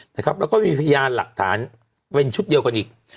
แล้วก็มีพยานหลักฐานเป็นชุดเดียวกันอีก